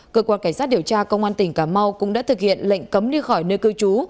cơ quan cảnh sát điều tra công an tỉnh cà mau cũng đã thực hiện lệnh cấm đi khỏi nơi cư trú